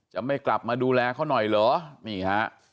จะไม่กลับมาดูแลเขาหน่อยเหรอนี่ฮะ